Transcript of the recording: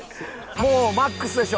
もうマックスでしょ？